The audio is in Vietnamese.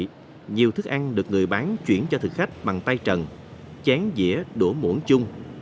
như vậy nhiều thức ăn được người bán chuyển cho thực khách bằng tay trần chén dĩa đũa muỗng chung